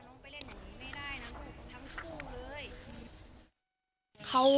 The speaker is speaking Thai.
จงกลับทั้งคู่